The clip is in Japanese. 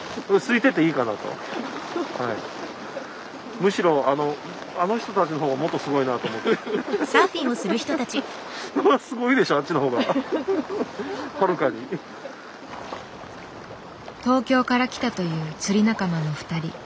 むしろあの東京から来たという釣り仲間の２人。